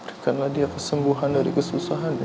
berikanlah dia kesembuhan dari kesusahan